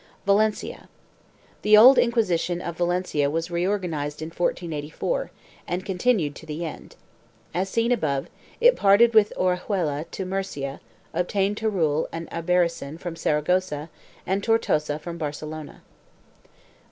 VALENCIA. The old Inquisition of Valencia was reorganized in 1484, and continued to the end. As seen above, it parted with Orihuela to Murcia, obtaining Teruel and Albarracin from Saragossa and Tortosa from Barcelona.